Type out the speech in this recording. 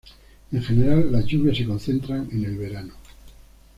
En general, las lluvias se concentran en el verano.